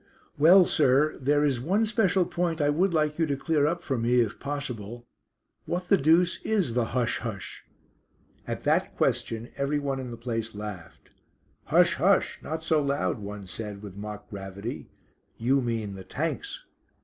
"Well, sir, there is one special point I would like you to clear up for me if possible. What the deuce is the 'Hush! Hush!'?" At that question everyone in the place laughed. "Hush! hush! not so loud," one said, with mock gravity. "You mean the Tanks."